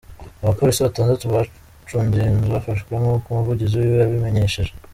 Abapolisi batandatu bacungera inzu bafashwe, nkuko umuvugizi wiwe yabimenyesheje.